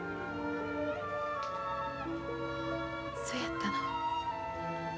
そやったの。